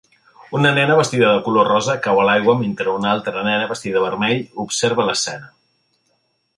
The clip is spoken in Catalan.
Una nena vestida de color rosa cau a l'aigua mentre una altra nena vestida de vermell observa l'escena.